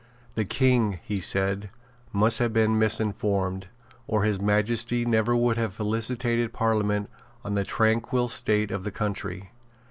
"The King," he said, "must have been misinformed; or His Majesty never would have felicitated Parliament on the tranquil state of the country.